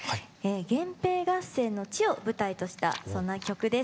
源平合戦の地を舞台としたそんな曲です。